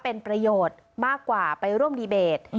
เป็นประโยชน์มากกว่าไปร่วมดีเบต